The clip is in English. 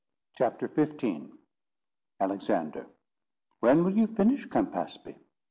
CHAPTER XV "Alexander. 'When will you finish Campaspe?